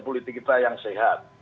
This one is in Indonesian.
dan politik kita yang sehat